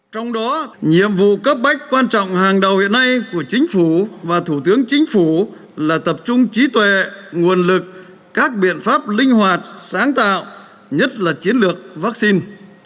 trong đó nhiệm vụ cấp bách quan trọng hàng đầu hiện nay của chính phủ và thủ tướng chính phủ là tập trung trí tuệ nguồn lực các biện pháp linh hoạt sáng tạo nhất là chiến lược vaccine